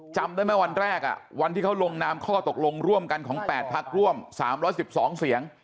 จำได้ไหมวันแรกวันที่เขาลงนามข้อตกลงร่วมกันของ๘พักร่วม๓๑๒เสียง